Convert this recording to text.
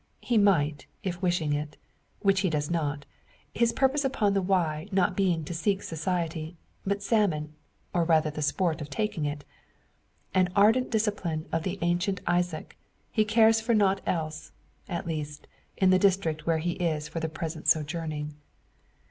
He might, if wishing it; which he does not, his purpose upon the Wye not being to seek society, but salmon, or rather the sport of taking it. An ardent disciple of the ancient Izaak, he cares for nought else at least, in the district where he is for the present sojourning.